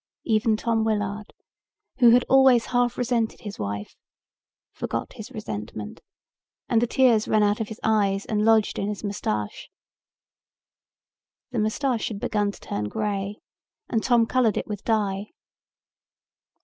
Even Tom Willard, who had always half resented his wife, forgot his resentment and the tears ran out of his eyes and lodged in his mustache. The mustache had begun to turn grey and Tom colored it with dye.